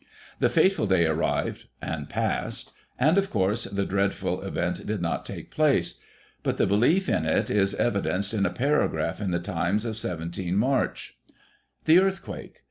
The fateful day arrived and passed, and, of course, the dreaded event did not take place, but the belief in it is evidenced in a paragraph in the Times of 17 March :" The Earthquake.